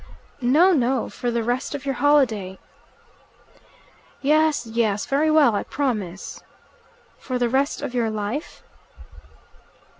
"No, no. For the rest of your holiday." "Yes, yes. Very well. I promise." "For the rest of your life?"